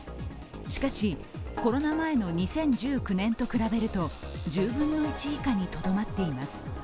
しかし、コロナ前の２０１９年と比べると１０分の１以下にとどまっています。